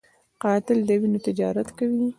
قاتل د وینو تجارت کوي